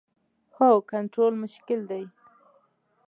هو، کنټرول مشکل دی